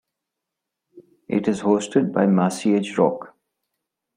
It is hosted by Maciej Rock.